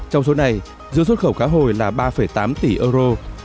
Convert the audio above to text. trong số này dưa xuất khẩu cá hồi là ba tám tỷ euro